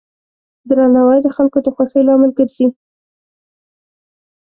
درناوی د خلکو د خوښۍ لامل ګرځي.